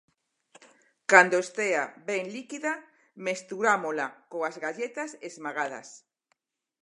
Cando estea ben líquida mesturámola coas galletas esmagadas.